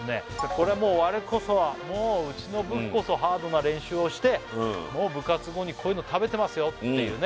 これもう我こそはもううちの部こそハードな練習をしてもう部活後にこういうの食べてますよっていうね